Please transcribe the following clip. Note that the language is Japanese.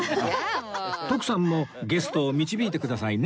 徳さんもゲストを導いてくださいね